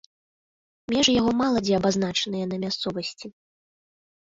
Межы яго мала дзе абазначаныя на мясцовасці.